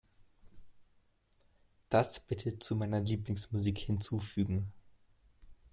Das bitte zu meiner Lieblingsmusik hinzufügen.